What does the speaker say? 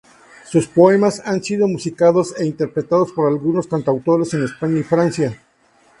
Sus poemas han sido musicados e interpretados por algunos cantautores en España y Francia.